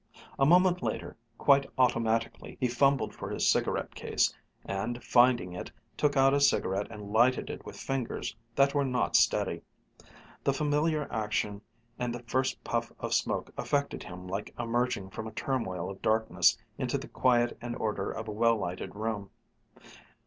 A moment later, quite automatically, he fumbled for his cigarette case, and finding it, took out a cigarette and lighted it with fingers that were not steady. The familiar action and the first puff of smoke affected him like emerging from a turmoil of darkness into the quiet and order of a well lighted room.